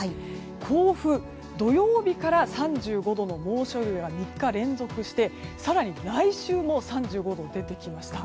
甲府、土曜日から３５度の猛暑日が３日連続して更に来週も３５度出てきました。